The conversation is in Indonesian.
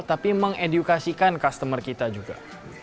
tapi mengedukasikan customer kita juga